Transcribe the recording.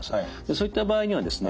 そういった場合にはですね